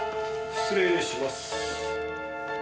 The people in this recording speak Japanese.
失礼します。